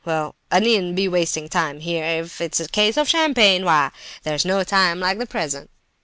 Well, I needn't be wasting time here, and if it's a case of champagne, why—there's no time like the present!"